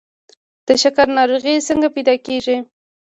د شکر ناروغي څنګه پیدا کیږي؟